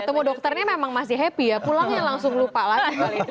ketemu dokternya memang masih happy ya pulangnya langsung lupa lah